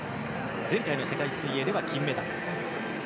前回の世界水泳では金メダル。